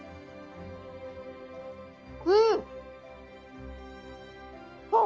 うん！あっ！